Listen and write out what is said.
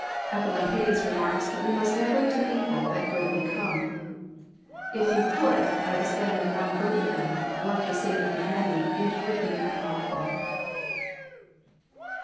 Ecolampadius remarks that we must never do evil that good may come. If you could, by the slaying of one good man, work the saving of many, it would be unlawAil."